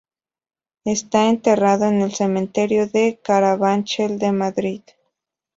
Está enterrado en el cementerio de Carabanchel de Madrid.